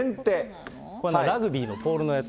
ラグビーのポールのやつ。